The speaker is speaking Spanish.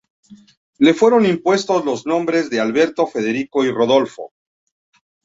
Le fueron impuestos los nombres de Alberto, Federico y Rodolfo.